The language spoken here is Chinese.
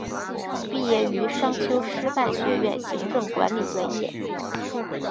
毕业于商丘师范学院行政管理专业。